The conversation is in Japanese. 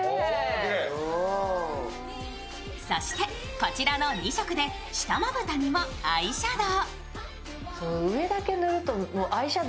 こちらの２色で下まぶたにもアイシャドウ。